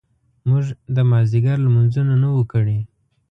موږ د مازیګر لمونځونه نه وو کړي.